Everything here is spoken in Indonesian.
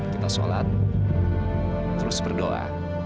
kita sholat terus berdoa